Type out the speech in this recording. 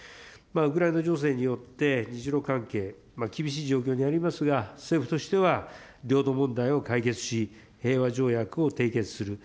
ウクライナ情勢によって日ロ関係、厳しい状況にありますが、政府としては領土問題を解決し、平和条約を締結する。